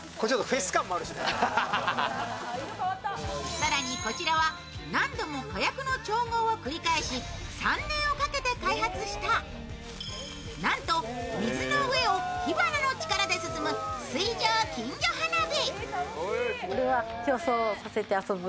更にこちらは、何度も火薬の調合を繰り返し３年をかけて開発した、なんと水の上を火花の力で進む水上金魚花火。